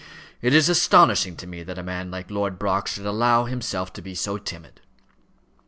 It is astonishing to me that a man like Lord Brock should allow himself to be so timid."